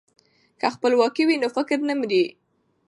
که خپلواکي وي نو فکر نه مري.